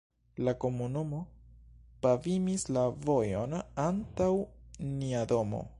la komunumo pavimis la vojon antaŭ nia domo.